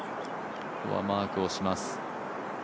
マークをします。